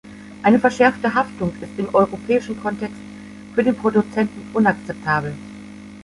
Eine verschärfte Haftung ist im europäischen Kontext für den Produzenten unakzeptabel.